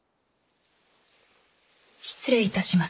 失礼いたします。